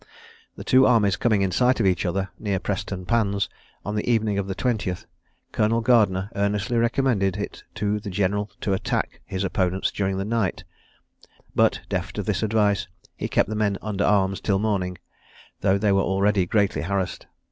The two armies coming in sight of each other, near Preston Pans, on the evening of the 20th, Colonel Gardiner earnestly recommended it to the general to attack his opponents during the night; but, deaf to this advice, he kept the men under arms till morning, though they were already greatly harassed.